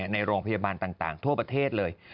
ในโรงพยาบาลต่างทั่วประเทศเลย